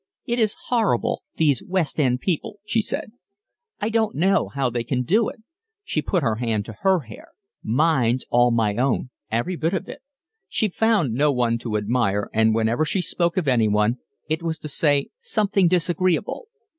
"It is horrible, these West end people," she said. "I don't know how they can do it." She put her hand to her hair. "Mine's all my own, every bit of it." She found no one to admire, and whenever she spoke of anyone it was to say something disagreeable.